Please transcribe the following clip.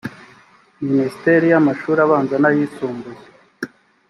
minisiteri y amashuri abanza n ayisumbuye